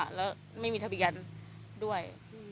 และทำไมเรามีทะเบียนด้วย